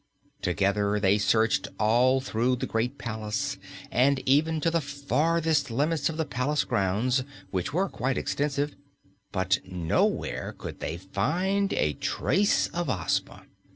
Together they searched all through the great palace and even to the farthest limits of the palace grounds, which were quite extensive, but nowhere could they find a trace of Ozma.